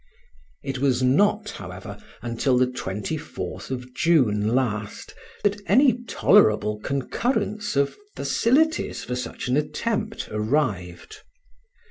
It was not, however, until the 24th of June last that any tolerable concurrence of facilities for such an attempt arrived.